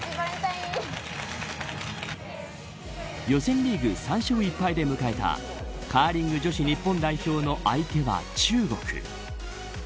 予選リーグ３勝１敗で迎えたカーリング女子日本代表の相手は中国。